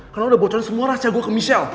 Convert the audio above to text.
karena lo udah bocorin semua rahasia gue ke michelle